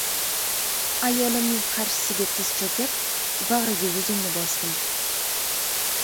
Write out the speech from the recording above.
Ayolimning qarshisiga tiz choʻkib, bagʻriga yuzimni bosdim.